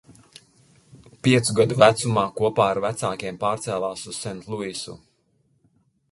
Piecu gadu vecumā kopā ar vecākiem pārcēlās uz Sentluisu.